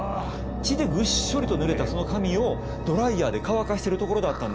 血でぐっしょりとぬれたその髪をドライヤーで乾かしてるところだったんですよ。